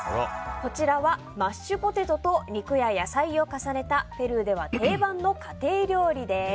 こちらは、マッシュポテトと肉や野菜を重ねたペルーでは定番の家庭料理です。